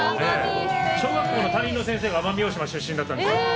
小学校の担任の先生が奄美大島出身だったんですよ。